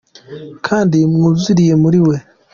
Kandi mwuzuriye muri we